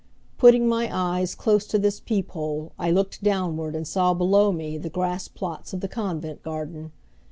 Putting my eyes close to this peep hole I looked downward and saw below me the grass plots of the convent garden.